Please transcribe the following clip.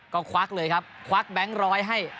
ก็ควักเลยครับควักแบงค์ร้อยให้